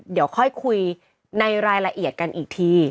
เดี๋ยวค่อยคุยในรายละเอียดกันอีกที